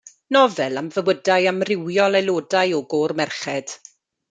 Nofel am fywydau amrywiol aelodau o gôr merched.